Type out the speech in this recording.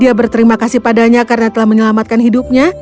dia juga berterima kasih pada si raja karena telah menyelamatkan hidupnya